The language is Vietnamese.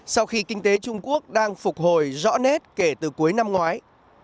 sau khi kinh tế trung quốc đang phục hồi rõ nét kể từ cuối năm ngoái